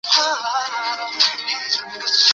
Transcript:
海宁是良渚文化发源地之一。